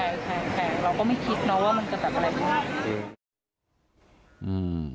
เราก็ไม่คิดว่ามันจะแบบอะไรอยู่